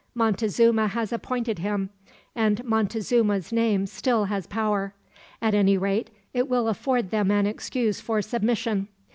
"Montezuma has appointed him, and Montezuma's name still has power. At any rate, it will afford them an excuse for submission.